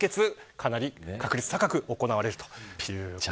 かなり確率高く行われるということです。